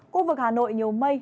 khu vực hà nội nhiều mây